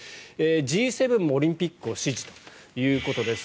Ｇ７もオリンピックを支持ということです。